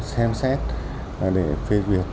xem xét để phê duyệt